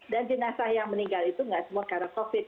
dan jenazah yang meninggal itu tidak semua karena covid sembilan belas